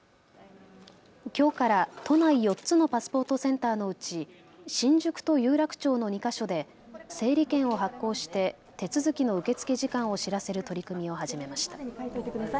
きょうから都内４つのパスポートセンターのうち新宿と有楽町の２か所で整理券を発行して手続きの受け付け時間を知らせる取り組みを始めました。